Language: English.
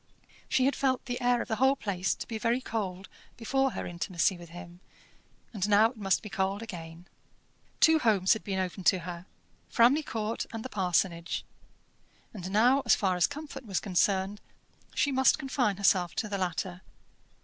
She had felt the air of the whole place to be very cold before her intimacy with him, and now it must be cold again. Two homes had been open to her, Framley Court and the parsonage; and now, as far as comfort was concerned, she must confine herself to the latter.